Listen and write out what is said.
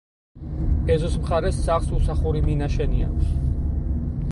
ეზოს მხარეს სახლს უსახური მინაშენი აქვს.